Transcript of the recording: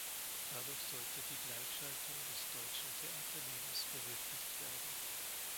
Dadurch sollte die Gleichschaltung des deutschen Theaterlebens verwirklicht werden.